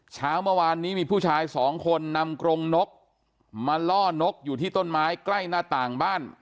เช้าเมื่อวานนี้มีผู้ชายสองคนนำกรงนกมาล่อนกอยู่ที่ต้นไม้ใกล้หน้าต่างบ้าน